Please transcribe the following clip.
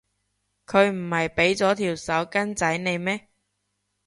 佢唔係畀咗條手巾仔你咩？